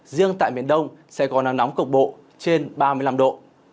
riêng tại miền đông sẽ có nắng nóng cục bộ trên ba mươi năm độ